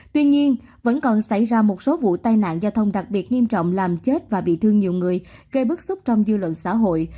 tuy nhiên vẫn còn xảy ra một số vụ tai nạn giao thông đặc biệt nghiêm trọng làm chết và bị thương nhiều người gây bức xúc trong dư luận xã hội